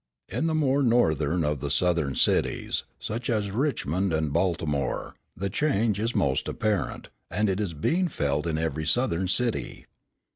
In the more northern of the Southern cities, such as Richmond and Baltimore, the change is most apparent; and it is being felt in every Southern city.